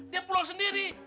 dia pulang sendiri